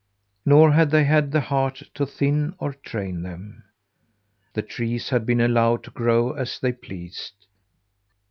Nor had they had the heart to thin or train them. The trees had been allowed to grow as they pleased.